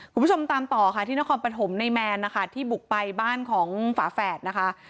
คุณผู้ชมตามต่อค่ะที่นครปฐมในแมนนะคะที่บุกไปบ้านของฝาแฝดนะคะ